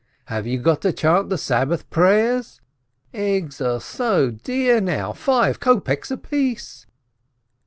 Have you got to chant the Sabbath prayers ? Eggs are so dear now — five kopeks apiece